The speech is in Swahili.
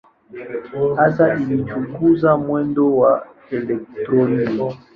Hasa alichunguza mwendo wa elektroni.